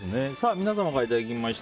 皆様からいただきました